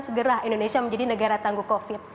segera indonesia menjadi negara tangguh covid